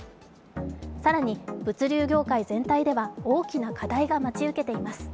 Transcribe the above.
更に、物流業界全体では大きな課題が待ち受けています。